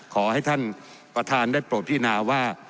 ขอให้ท่านประธานได้โปรดพินาว่า